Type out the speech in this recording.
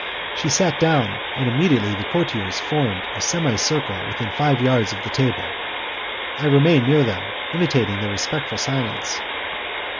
She sat down, and immediately the courtiers formed a semicircle within five yards of the table; I remained near them, imitating their respectful silence.